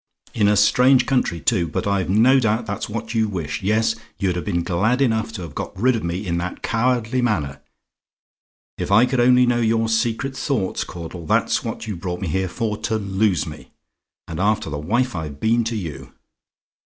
In a strange country, too! But I've no doubt that that's what you wished: yes, you'd have been glad enough to have got rid of me in that cowardly manner. If I could only know your secret thoughts, Caudle, that's what you brought me here for, to lose me. And after the wife I've been to you!